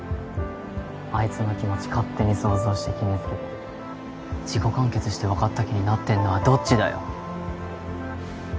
あいつの気持ち勝手に想像して決めつけて自己完結して分かった気になってんのはどっちだよ